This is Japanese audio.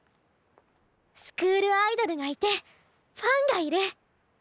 スクールアイドルがいてファンがいる。